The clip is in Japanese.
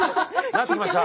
なってきました！